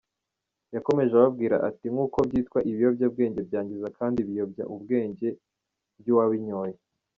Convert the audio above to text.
Yakomeje ababwira ati:"Nkuko byitwa, ibiyobyabwenge byangiza kandi biyobya ubwenge bw’uwabinyoye.